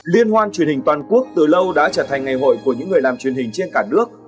liên hoan truyền hình toàn quốc từ lâu đã trở thành ngày hội của những người làm truyền hình trên cả nước